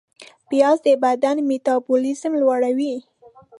پیاز د بدن میتابولیزم لوړوي